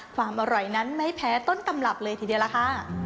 ความอร่อยนั้นไม่แพ้ต้นตำรับเลยทีเดียวล่ะค่ะ